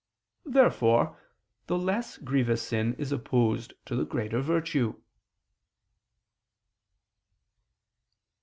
Therefore the less grievous sin is opposed to the greater virtue.